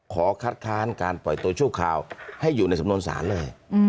ขอคัดค้านการปล่อยตัวชั่วคราวให้อยู่ในสำนวนศาลเลย